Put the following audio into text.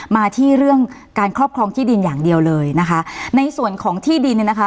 มาที่เรื่องการครอบครองที่ดินอย่างเดียวเลยนะคะในส่วนของที่ดินเนี่ยนะคะ